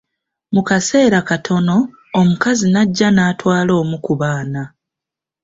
Mu kaseera katono, omukazi n'ajja n'atwala omu ku baana.